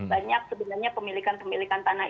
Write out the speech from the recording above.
banyak sebenarnya pemilikan pemilikan tanah